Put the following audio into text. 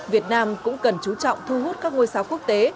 việt nam cũng cần chú trọng thu hút các ngôi sao quốc tế